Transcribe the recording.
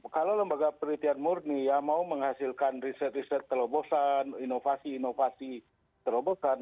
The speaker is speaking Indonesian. kalau lembaga penelitian murni yang mau menghasilkan riset riset terobosan inovasi inovasi terobosan